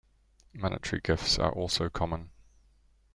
Monetary gifts are also common.